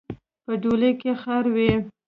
په ډولۍ کې خاروئ.